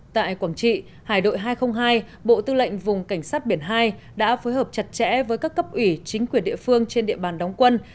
tại quảng trị hải đội hai trăm linh hai bộ tư lệnh vùng cảnh sát biển hai đã phối hợp chặt chẽ với các cấp ủy chính quyền địa phương trên địa bàn đóng quân